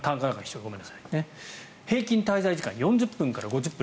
平均滞在時間４０分から５０分。